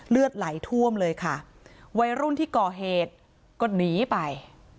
เลือดไหลท่วมเลยค่ะวัยรุ่นที่ก่อเหตุก็หนีไป